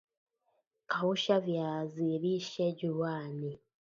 kausha viazi lishe juani